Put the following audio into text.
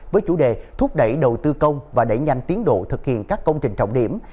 với chủ đề thúc đẩy đầu tư công và đẩy nhanh tiến độ thực hiện các công trình trọng điểm